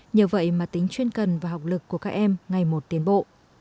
nhờ vậy mà tính chuyên cần và học lực của các em ngày một tiến bộ